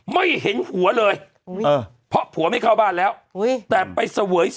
ไม่เห็นโหวเลย